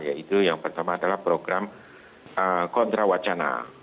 yaitu yang pertama adalah program kontra wacana